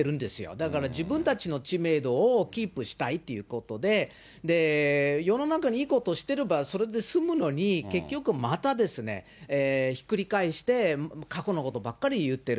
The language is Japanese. だから、自分たちの知名度をキープしたいということで、で、世の中にいいことをしてれば、それで済むのに、結局またですね、ひっくり返して、過去のことばっかり言ってる。